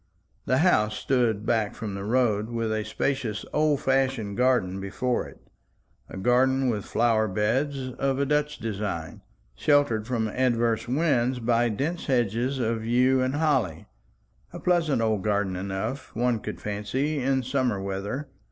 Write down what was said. The house stood back from the road, with a spacious old fashioned garden before it; a garden with flower beds of a Dutch design, sheltered from adverse winds by dense hedges of yew and holly; a pleasant old garden enough, one could fancy, in summer weather.